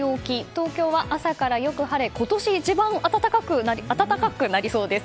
東京は朝からよく晴れ今年一番暖かくなりそうです。